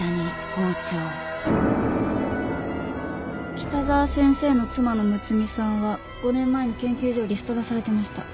北澤先生の妻の睦美さんは５年前に研究所をリストラされてました。